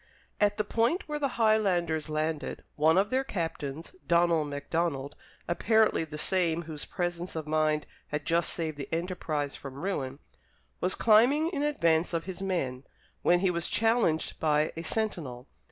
At the point where the Highlanders landed, one of their captains, Donald Macdonald, apparently the same whose presence of mind had just saved the enterprise from ruin, was climbing in advance of his men, when he was challenged by a sentinel.